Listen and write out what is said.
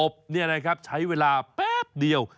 นะครับใช้เวลาแป๊บเดียว